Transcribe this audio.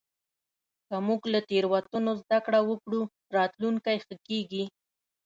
که موږ له تېروتنو زدهکړه وکړو، راتلونکی ښه کېږي.